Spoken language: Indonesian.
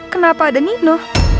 kenapa ada nino